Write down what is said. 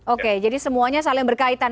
oke jadi semuanya saling berkaitan